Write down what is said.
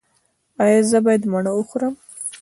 ایا زه باید مڼه وخورم؟